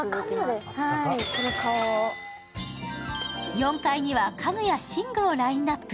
４階には家具や寝具をラインナップ。